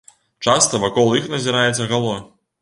Часта вакол іх назіраецца гало.